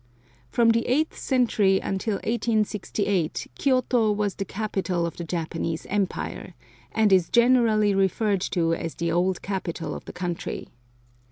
From the eighth century until 1868 Kioto was the capital of the Japanese empire, and is generally referred to as the old capital of the country.